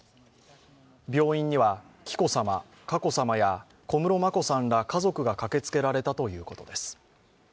病院には紀子さま、佳子さまや小室眞子さんら家族が駆けつけたということです。